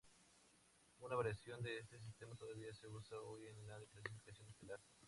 Una variación de este sistema todavía se usa hoy en la clasificación estelar.